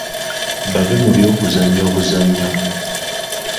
Bave mu by'okuzannya obuzannyo.